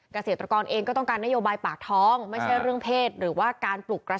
เกษตรกรเองก็ต้องการนโยบายปากท้องไม่ใช่เรื่องเพศหรือว่าการปลุกกระแส